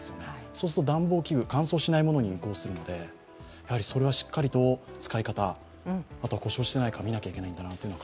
そうすると、暖房器具、乾燥しないものに移行するのでそれはしっかりと使い方、あとは故障しているか見なきゃい